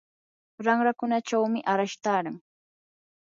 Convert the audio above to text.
ranrakunachawmi arash taaran.